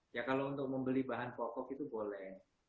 ya kalau untuk membeli bahan pokok itu boleh